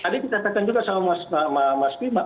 tadi kita katakan juga sama mas pima